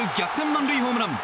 満塁ホームラン。